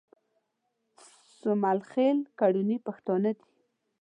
سومل خېل کرلاني پښتانه دي